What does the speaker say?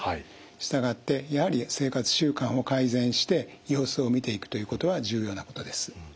従ってやはり生活習慣を改善して様子を見ていくということは重要なことです。